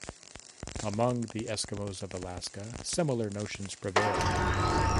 Among the Eskimos of Alaska, similar notions prevail.